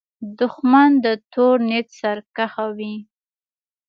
دښمن د تور نیت سرکښه وي